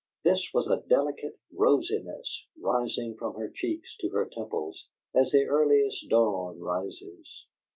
This was a delicate rosiness rising from her cheeks to her temples as the earliest dawn rises.